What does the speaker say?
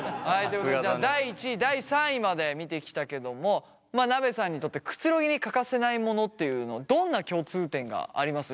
ということでじゃあ第１位第３位まで見てきたけどもなべさんにとってくつろぎに欠かせないモノっていうのどんな共通点があります？